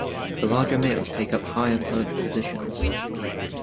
The larger males take up higher perch positions.